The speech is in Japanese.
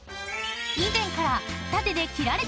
［以前から］